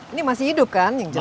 ini masih hidup kan yang jelas